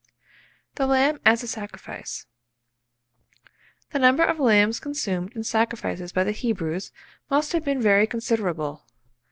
THE LAMB AS A SACRIFICE. The number of lambs consumed in sacrifices by the Hebrews must have been very considerable.